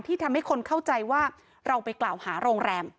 ทำให้คนเข้าใจว่าเราไปกล่าวหาโรงแรม